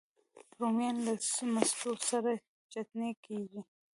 رومیان له مستو سره چټني کېږي